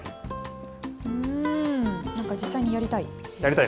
なんか実際にやりたい。